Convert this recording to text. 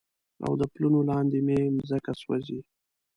او د پلونو لاندې مې مځکه سوزي